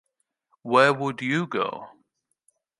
Where would you go?